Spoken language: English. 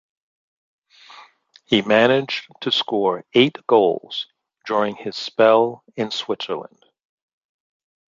He managed to score eight goals during his spell in Switzerland.